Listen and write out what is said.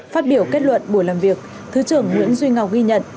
phát biểu kết luận buổi làm việc thứ trưởng nguyễn duy ngọc ghi nhận